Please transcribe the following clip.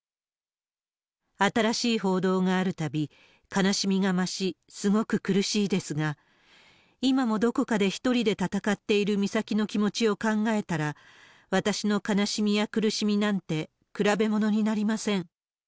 新しい報道があるたび、悲しみが増し、すごく苦しいですが、今もどこかで１人で戦っている美咲の気持ちを考えたら、私の悲しみや苦しみなんて、比べ物になりません。